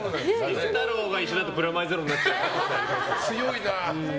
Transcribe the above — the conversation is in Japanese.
昼太郎が一緒だとプラマイゼロになっちゃう。